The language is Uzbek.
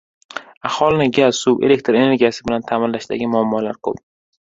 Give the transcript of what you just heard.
Aholini gaz, suv, elektr energiyasi bilan taʼminlashdagi muammolar ko‘p.